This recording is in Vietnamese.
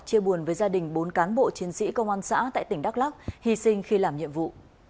chia buồn với gia đình bốn cán bộ chiến sĩ công an xã tại tỉnh đắk lắc hy sinh khi làm nhiệm vụ